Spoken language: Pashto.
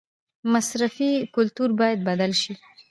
مصرفي کلتور باید بدل شي